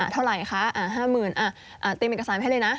เท่าไหร่คะ๕๐๐๐เตรียมเอกสารให้เลยนะ